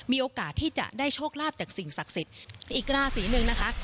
มีโอกาสที่จะได้โชคลาภจากสิ่งศักดิ์สิทธิ์อีกราศีหนึ่งนะคะ